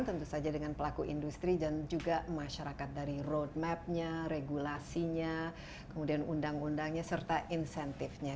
tentu saja dengan pelaku industri dan juga masyarakat dari roadmapnya regulasinya kemudian undang undangnya serta insentifnya